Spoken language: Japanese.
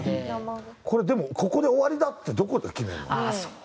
これでもここで終わりだってどこで決めるの？